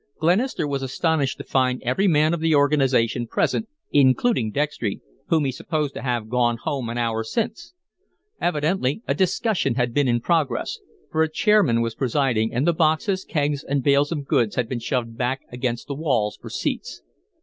Glenister was astonished to find every man of the organization present, including Dextry, whom he supposed to have gone home an hour since. Evidently a discussion had been in progress, for a chairman was presiding, and the boxes, kegs, and bales of goods had been shoved back against the walls for seats.